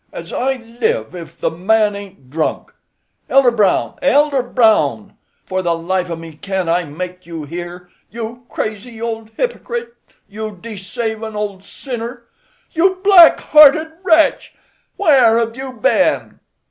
As I live, if the man ain't drunk! Elder Brown! Elder Brown! for the life of me can't I make you hear? You crazy old hypocrite! you desavin' old sinner! you black hearted wretch! where have you ben?"